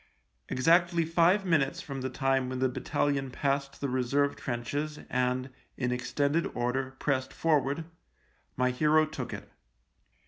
Exactly five minutes from the time when the battalion passed the reserve trenches and, in extended order, pressed forward, my hero took it.